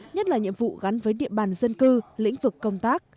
nhất là nhiệm vụ gắn với địa bàn dân cư lĩnh vực công tác